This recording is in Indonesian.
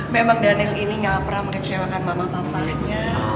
memang daniel ini gak pernah mengecewakan mama papanya